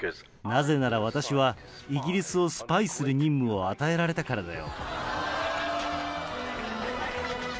なぜなら私は、イギリスをスパイする任務を与えられたからだよ。